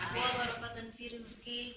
wa barakatan fi rizki